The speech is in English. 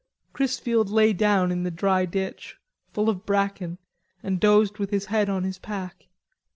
Chrisfield lay down in the dry ditch, full of bracken, and dozed with his head on his pack.